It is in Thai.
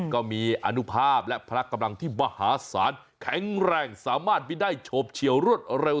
ก็มีอนุภาพและพลักกำลังที่มหาศาลแข็งแรงสามารถบินได้โฉบเฉียวรวดเร็ว